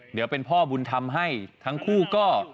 เดี๋ยวเป็นพ่อบุญธรรมให้ทั้งคู่ก็